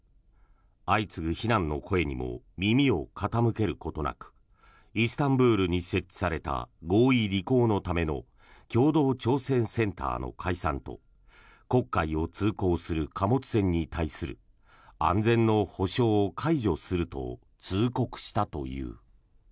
相次ぐ非難の声にも耳を傾けることなくイスタンブールに設置された合意履行のための共同調整センターの解散と黒海を通航する貨物船に対する安全の保証を解除すると通告したという。